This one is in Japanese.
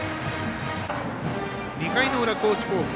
２回の裏、高知高校。